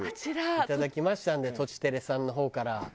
いただきましたんでとちテレさんの方から。